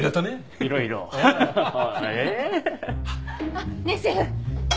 あっねえシェフ。